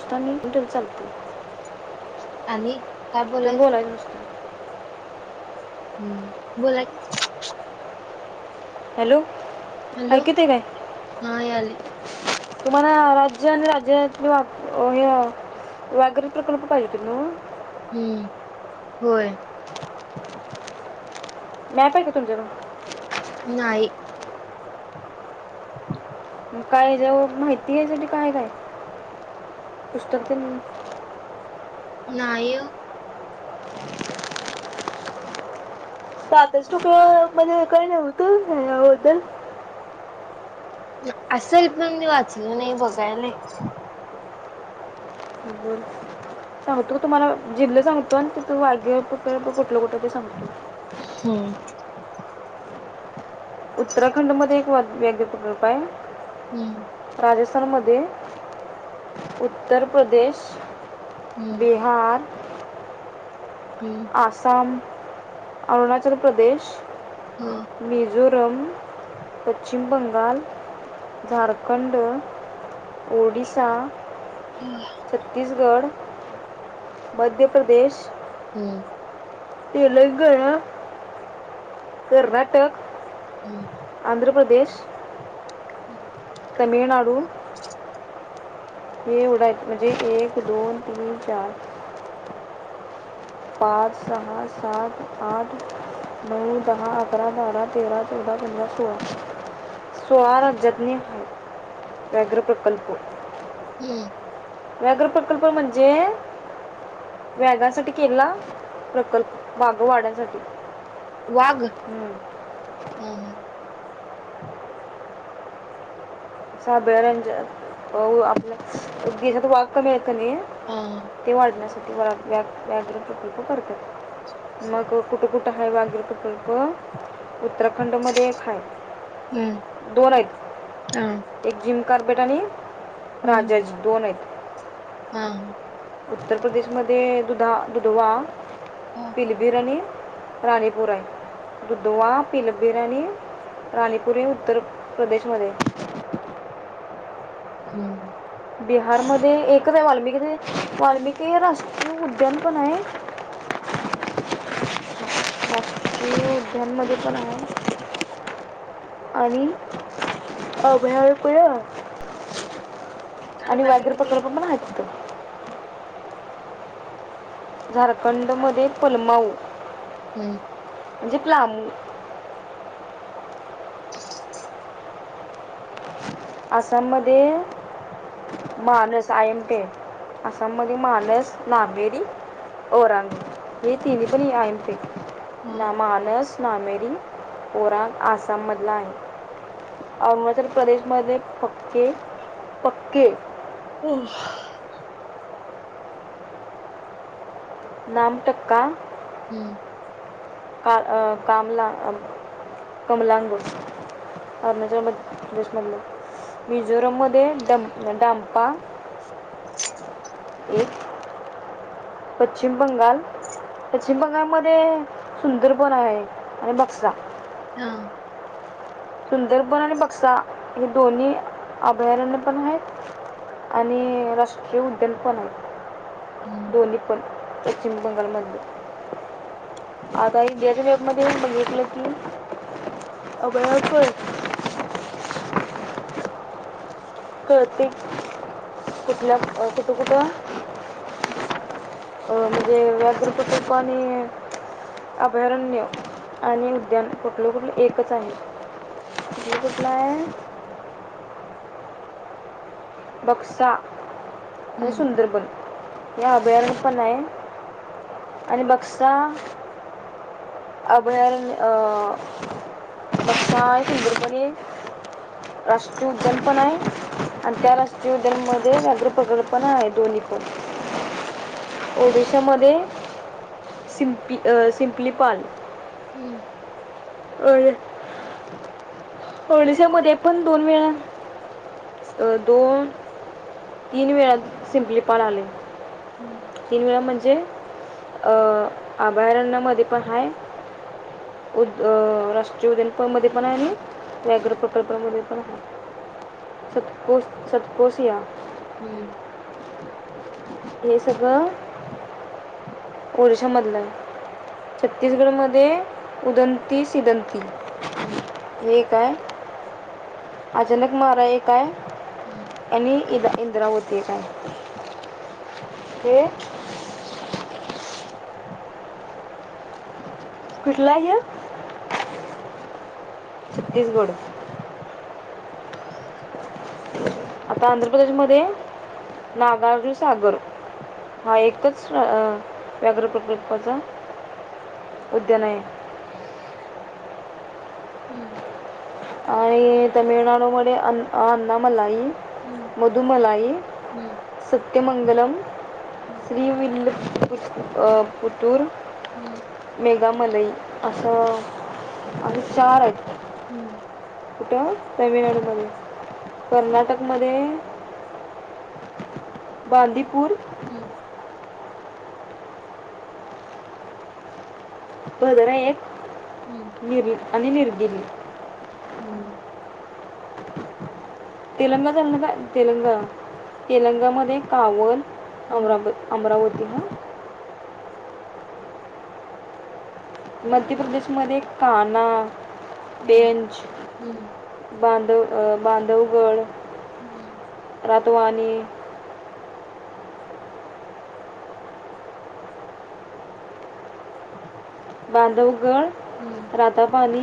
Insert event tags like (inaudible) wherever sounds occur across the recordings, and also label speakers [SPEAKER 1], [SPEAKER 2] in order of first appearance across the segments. [SPEAKER 1] नुसता मीटल चालत आणि त्याून बोलाय नुसता
[SPEAKER 2] हम्म बोला की
[SPEAKER 1] हॅलो ऐकत आहे काय तुम्हाला राज्य आणि राज्या वा हे वाघरी प्रकल्प पाहिेत न म पासे तुम जल काय जव माहिती आहे तरी काय काय पुष्टटक दिन
[SPEAKER 2] नाही
[SPEAKER 1] सातच रुपया मध्ये काय नव्हतं याबद्दल
[SPEAKER 2] असेल पण मी वाचल नाही बघायला
[SPEAKER 1] गर सांगतो का तुम्हाला जिल सांगतो आणि तिथ वायगे कुठ कुठलं कुठं ते सांगतो उत्तराखंड मध्ये एक वेग्य प्रकल्प आहे राजस्थान म उत्तर प्रदेश, बिहार.
[SPEAKER 2] ह् अरुणाचल प्रदेश हा
[SPEAKER 1] मिझोरम पश्चिम, बंगाल झारखंड, ओडिसा छत्तीसगड
[SPEAKER 2] मध्य प्रदेश हम्म
[SPEAKER 1] ते लही ग ना
[SPEAKER 2] तट
[SPEAKER 1] आंध्र प्रदेश
[SPEAKER 2] क
[SPEAKER 1] हे उडाय म्हणजे एक दोन तीन चार पाच सज सात आठ नऊ दहा अकाररा बारा तेररा चौदा पंरा सोळा सोळा राज्यातनी ह व्याघ्र प्रकल्प व्याघ्र प्रकल्प म्हणजे, व्याघासाठी केलेला प्रकल्प. वाघवाढ्यासाठी. वाघ? हं.
[SPEAKER 2] हो म.
[SPEAKER 1] साबळ रंजन, ओ व आपल्या देशात वाघ कमी हायेत की नाही, ते वाढण्यासाठी. व्या व्या व्याग्र ते कसं करत्यात? मग कुठं कुठं आहे व्याघ्र प्रकल्प? उत्तराखंड मध्ये एक हाय, दोन आहेत. एक जिम कार्पेट आणि राजाजी दोन आहेत. उत्तर प्रदेशमध्ये दुधा दुधवा, पिलभीर आणि राणीपूर आहे. दुधवा पिलबिर आणि राणीपुर हे उत्तर प्रदेशमध्ये. (inaudible)
[SPEAKER 2] हं.
[SPEAKER 1] बिहारमध्ये एकच आहे वाल्मिक, वाल्मिकी राष्ट उद्यान पन आहे. राष्ट्रीय उद्यान मध्ये पण आहे. आणि अभयापया आणि व्याघ्र प्रकल्प पण हायत तिकडे. झारखंड मध्ये पलमाऊ. म्हणजे प्लामू.
[SPEAKER 2] (inaudible)
[SPEAKER 1] आसाम मध्ये मानस आय एम पी आहे. आसाममध्ये मानस नामेरी ओरांग हे तिनही पण आय एम पी आहे. ना मानस नामेरी ओरांग आसाम मधला आहे. अरुणाचल मध्ये पक्के पक्के, नाम टक्का, का कामला कमलांग, अरुणाचल मध्य प्रदेशमधलं. मिझोरम मध्ये डम डांपा, एक. पश्चिम बंगाल, पश्चिम बंगालमध्ये सुंदरबन आहे आणि बक्सा. सुंदरबन आणि बक्सा हे दोन्ही अभयारण्य पण आहेत आणि राष्ट्रीय उद्यान पण आहेत. दोनीही पण. पश्चिम बंगालमध्ये, आता इंडियाच्या मॅप मध्ये बघलं की, अभय हो- हो ते कुठल्या -कुठं कुठं? अ म्हणजे व्याघ्रपटूपा आणि अभयारण्य आणि उद्यान (unintelligible) एकच आहे (unintelligible) बक्सा आणि सुंदरबन हे अभयारण्य पण आहे आणि बक्सा- अभयार अं- भाषा आहे (unintelligible) राष्ट्रीय उद्यान पण आहे आणि त्या- राष्ट उद्यान मध्ये व्याघ्र प्रकल्पना आहे दोन्ही पण- ओडिशा मध्ये- सिंपी अ सिंपलीफाय-
[SPEAKER 2] हम्म.
[SPEAKER 1] होर ओडिशामध्ये पण दोन वेळा- क दोन- तीन वेळा सिंपली पाल आले. तीन वेळा म्हणजे अ अभयारण्यामध्ये पण हा- उ अ राष्ट्रीय उदन- (unintelligible) व्याघ्र प्रकल्पामध्ये- ह. सत्पुरुष सत्पुरुष या- हे सगळं- ओडिशामधला, छत्तीसगडमध्ये उदंती सिदंती होय का? अचानक माराय येत आणि इदा इंद्रावती एकय.? हो कुठला ग? छत्तीसगड- आता आंध्र प्रदेशमध्ये नागार्जुन सागर हा एकच अ -व्याघ्र प्रकल्पाचा- उद्यान आहे-
[SPEAKER 2] हम्म.
[SPEAKER 1] आणि तमिळनाडूमध्ये अन् अण्णामलाई, मधुमलाई, सत्यमंगलम, श्रीविल्ल अ पुतूर मेघामलई असं आणि चार कुठं तमिळनाडूमध्ये, कर्नाटकमध्ये बांदीपूर. (unintelligible) एक नि आणि निर्गिरली. तेलंगा (unintelligible) तेलंग तेलंगामध्येध कावल अम अमरावती. (unintelligible) मध्य प्रदेशमध्ये काना, पेंच, बांधव बांधवगड, रातवानी बांधवगड, रातापानी,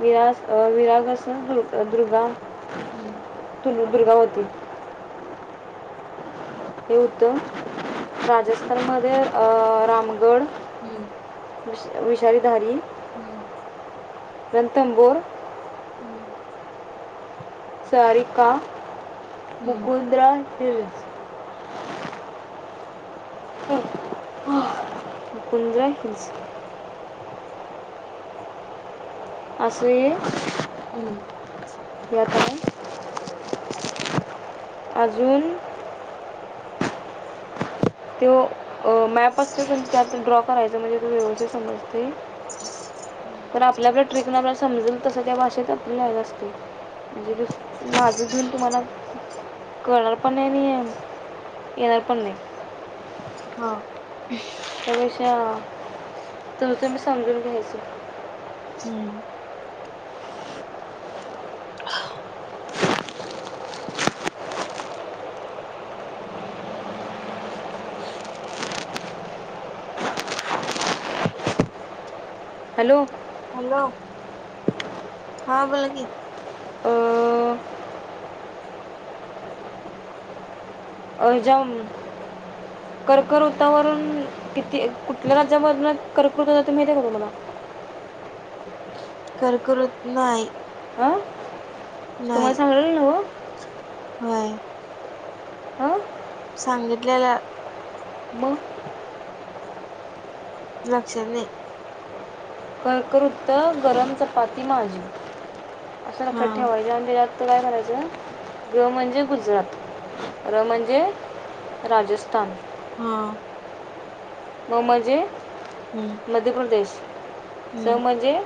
[SPEAKER 1] विरास अ विरागस असं, दुर्गा दुर्गावती. हे होतं. राजस्थानमध्ये अ रामगड, वि विषारीधारी रणथमबोर.
[SPEAKER 2] हम्म.
[SPEAKER 1] सारिका मुगुंद्रा हिल्स. ह ह. पुुंजय (unintelligible) अस ये याता
[SPEAKER 2] (inaudible)
[SPEAKER 1] अजून. तो मॅप असतो क त्यात ड्रॉ करायच म्हणजे, तू व्यवथय समजते. आपल्या आपला ट्रेकन आपला समजेल तसं त्या भाषेत आपल्या (unintelligible) असते. म्हणजे, त माझं घेऊन तुम्हाला कळणार पण नाही आणि येणार पण नाही.
[SPEAKER 2] हा.
[SPEAKER 1] त्या पेषा तुमचं मी समजून घ्यायचो‌.
[SPEAKER 2] हम्म. हां. (inaudible)
[SPEAKER 1] हॅलो
[SPEAKER 2] हा बोला की.
[SPEAKER 1] अ अ ह्याज्याव कर्क वृत्तावरून ते कुठल्या राज्यामधनं कर- (unintelligible)
[SPEAKER 2] कर्कवृत्त नाही.
[SPEAKER 1] आ तुम्हाला सांगायलंय नव्हं.
[SPEAKER 2] व्हय.
[SPEAKER 1] हम
[SPEAKER 2] सांगितलेलं-
[SPEAKER 1] म
[SPEAKER 2] लक्षात नाही.
[SPEAKER 1] कर्कवृत्त गरम चपाती माझी. असं लक्षात ठेवायचं आणि त्याच्यात- तो काय करायचं ग म्हणजे गुजरात र म्हणजे राजस्थान.
[SPEAKER 2] हा.
[SPEAKER 1] म म्हणजे? मध्यप्रदेश. स म्हणजे?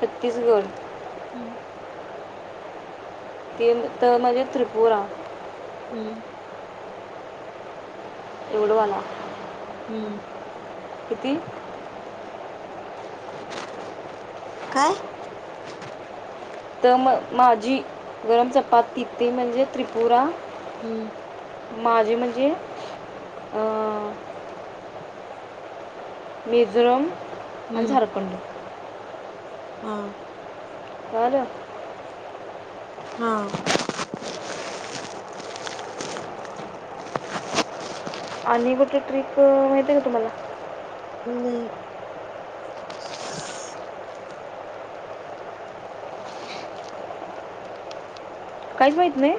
[SPEAKER 1] छत्तीसगड.
[SPEAKER 2] हम्म.
[SPEAKER 1] ते त म्हणजे त्रिपुरा.
[SPEAKER 2] हम्म.
[SPEAKER 1] एवढं होणार.
[SPEAKER 2] हम्म.
[SPEAKER 1] किती?
[SPEAKER 2] काय?
[SPEAKER 1] तर मग माझी गरम चपाती ति म्हणजे त्रिपुरा
[SPEAKER 2] हम्म.
[SPEAKER 1] माझी म्हणजे अ मिझोर् आणि झारखंड.
[SPEAKER 2] हा.
[SPEAKER 1] कळालं?
[SPEAKER 2] हा.
[SPEAKER 1] आणि कुठे ट्रिप माहिती आहे का तुम्हाला?
[SPEAKER 2] नाही
[SPEAKER 1] काहीच माहित नाही?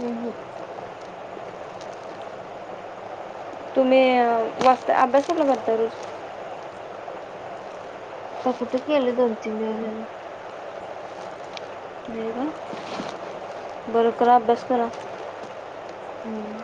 [SPEAKER 2] हम्म, हम्म
[SPEAKER 1] तुम्ही अभ्यासाला जाता रोज?
[SPEAKER 2] ते कुठं केले दोन तीन दिवस झालं
[SPEAKER 1] बर करा अभ्यास करा
[SPEAKER 2] हम्म